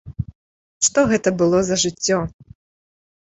Што гэта было за жыццё!